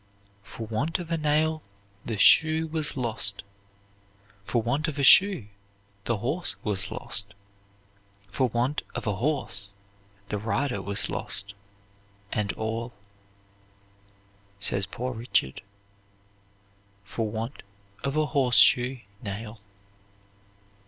"For want of a nail the shoe was lost, For want of a shoe the horse was lost; For want of a horse the rider was lost, and all," says Poor Richard, "for want of a horseshoe nail."